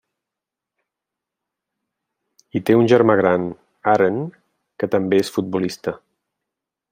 I té un germà gran, Aaron, que també és futbolista.